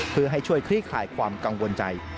เพื่อให้ช่วยคลี่คลายความกังวลใจ